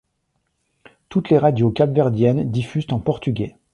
Toutes les radios cap-verdiennes diffusent en portugais.